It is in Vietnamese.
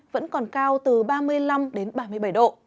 vẫn còn cao từ ba mươi năm đến ba mươi bảy độ